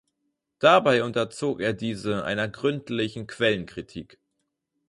Dabei unterzog er diese einer gründlichen Quellenkritik.